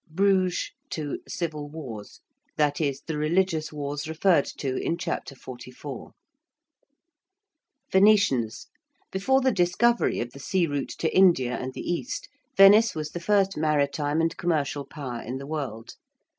~Bruges ... civil wars~: that is, the religious wars referred to in Chapter XLIV. ~Venetians~: before the discovery of the sea route to India and the East Venice was the first maritime and commercial power in the world.